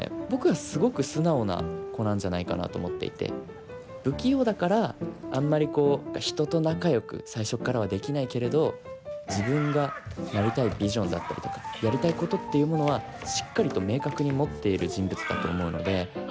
僕はすごく素直な子なんじゃないかなと思っていて不器用だからあんまりこう人と仲よく最初っからはできないけれど自分がなりたいビジョンだったりとかやりたいことっていうものはしっかりと明確に持っている人物だと思うので。